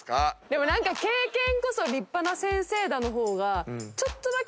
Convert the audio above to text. でも何か「経験こそ、りっぱな先生だ」の方が。